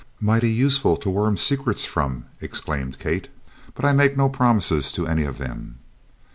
"Mighty useful to worm secrets from," exclaimed Kate; "but I make no promises to any of them."